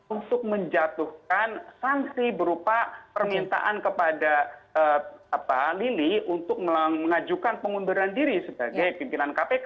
untuk menjatuhkan sanksi berupa permintaan kepada lili untuk mengajukan pengunduran diri sebagai pimpinan kpk